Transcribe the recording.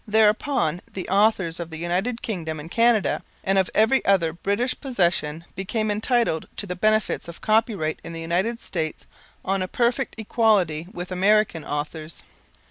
Thereupon the authors of the United Kingdom and Canada, and of every other British possession became entitled to the benefits of copyright in the United States on a perfect equality with American authors.